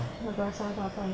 nggak terasa apa apa